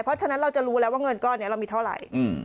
เพราะฉะนั้นเราจะรู้แล้วว่าเงินก้อนนี้เรามีเท่าไหร่